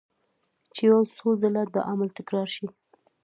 چې يو څو ځله دا عمل تکرار شي